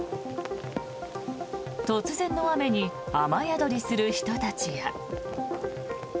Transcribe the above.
突然の雨に雨宿りする人たちや。